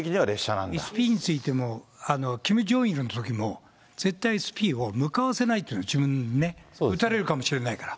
ＳＰについても、キム・ジョンイルのときも、絶対ＳＰを向かわせないって、自分にね。撃たれるかもしれないから。